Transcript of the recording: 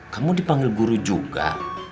kamu dipanggil guru juga